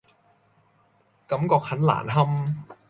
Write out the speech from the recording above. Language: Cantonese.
感覺很難堪